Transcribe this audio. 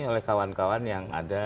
oleh kawan kawan yang ada